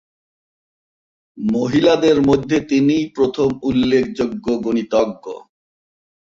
মহিলাদের মধ্যে তিনিই প্রথম উল্লেখযোগ্য গণিতজ্ঞ।